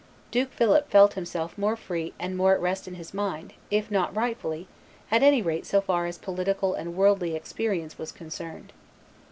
Duke Philip felt himself more free and more at rest in his mind, if not rightfully, at any rate so far as political and worldly expedience was concerned.